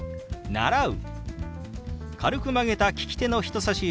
「習う」。